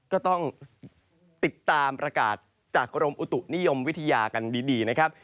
ก็ต้องติดตามประกาศจากกรมอุตุนิยมวิทยากันดีนะครับ